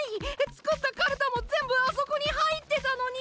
つくったかるたもぜんぶあそこにはいってたのに！